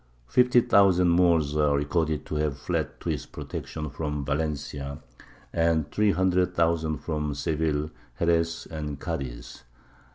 Fifty thousand Moors are recorded to have fled to his protection from Valencia, and three hundred thousand from Seville, Xeres, and Cadiz.